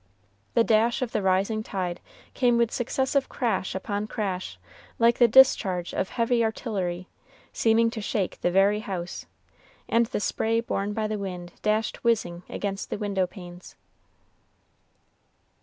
The dash of the rising tide came with successive crash upon crash like the discharge of heavy artillery, seeming to shake the very house, and the spray borne by the wind dashed whizzing against the window panes.